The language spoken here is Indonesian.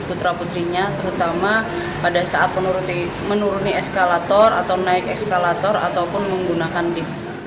putra putrinya terutama pada saat menuruni eskalator atau naik eskalator ataupun menggunakan lift